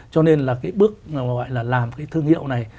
cho nên là cái bước gọi là làm cái thương hiệu này